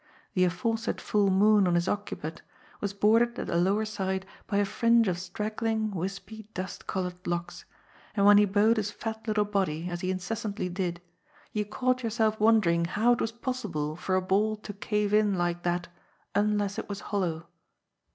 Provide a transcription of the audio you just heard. The aforesaid full moon on his occiput was bordered at the lower side by a fringe of straggling, wispy dust coloured locks, and when he bowed his fat little body, as he incessantly did, you caught yourself wondering how it was possible for a ball to cave in like that unless it was hollow.